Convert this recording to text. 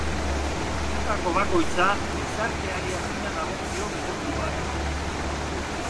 Gutako bakoitza gizarteari adina dagokio bere buruari.